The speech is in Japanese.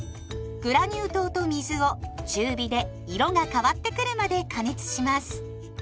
グラニュー糖と水を中火で色が変わってくるまで加熱します。